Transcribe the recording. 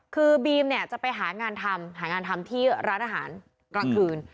คือบีมเนี่ยจะไปหางานทำหางานทำที่ร้านอาหารกลางคืน